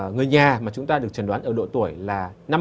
người nhà mà chúng ta được trần đoán ở độ tuổi là năm mươi